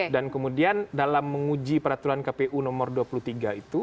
dan kemudian dalam menguji peraturan kpu nomor dua puluh tiga itu